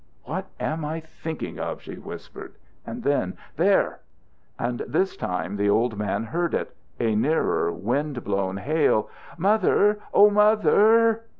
"What am I thinking of?" she whispered, and then: "There!" And this time the old man heard it, a nearer, wind blown hail. "Mother! Oh, Mother!"